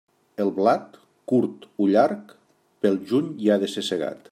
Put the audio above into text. El blat, curt o llarg, pel juny ja ha de ser segat.